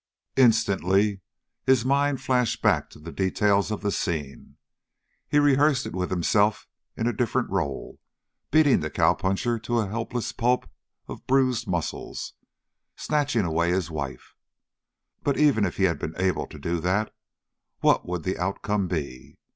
Instantly his mind flashed back to the details of the scene. He rehearsed it with himself in a different role, beating the cowpuncher to a helpless pulp of bruised muscle, snatching away his wife. But even if he had been able to do that, what would the outcome be?